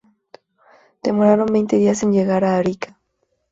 Demoraron veinte días en llegar a Arica.